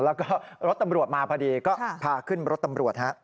แล้วก็รถตำรวจมาพอดีก็พาขึ้นรถตำรวจฮะ